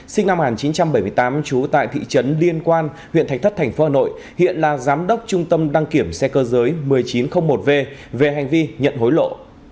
sinh năm một nghìn chín trăm bảy mươi tám trú tại thị trấn liên quan huyện thạch thất tp hà nội hiện là giám đốc trung tâm đăng kiểm xe cơ giới một nghìn chín trăm linh một v về hành vi nhận hối lộ